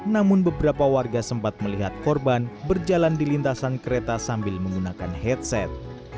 namun beberapa warga sempat melihat korban berjalan di lintasan kereta sambil menggunakan headset